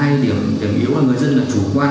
và dễ trộm các tài sản